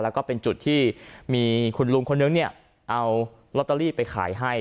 แล้วก็เป็นจุดที่มีคุณลุงคนนึงเนี่ยเอาลอตเตอรี่ไปขายให้